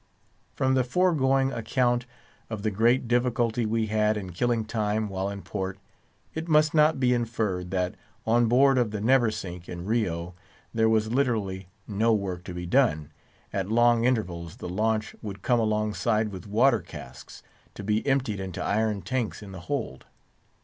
From the foregoing account of the great difficulty we had in killing time while in port, it must not be inferred that on board of the Neversink in Rio there was literally no work to be done, at long intervals the launch would come alongside with water casks, to be emptied into iron tanks in the hold.